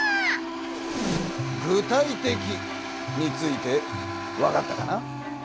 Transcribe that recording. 「具体的」についてわかったかな？